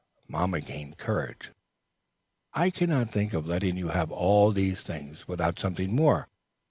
Mamma gained courage. "I can not think of letting you have all these things without something more.